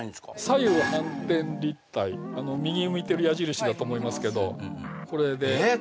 左右反転立体あの右に向いてる矢印だと思いますけどこれでえっ